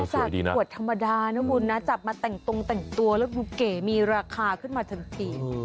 จากขวดธรรมดานะคุณนะจับมาแต่งตรงแต่งตัวแล้วดูเก๋มีราคาขึ้นมาทันที